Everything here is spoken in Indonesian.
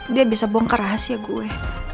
dia bisa bongkar rahasia gue